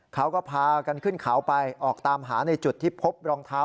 เขาก็พากันขึ้นเขาไปออกตามหาในจุดที่พบรองเท้า